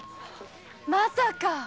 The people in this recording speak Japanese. まさか？